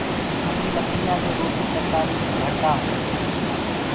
همينٚ لڪڙيآندي روٽي ترڪآري گھڙدآ هيونٚ۔